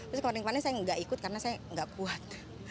terus kemarin kemarin saya tidak ikut karena saya tidak kuat